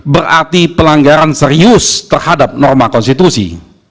berarti pelanggaran serius terhadap norma konstitusi